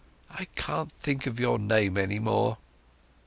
I can't think of your name any more."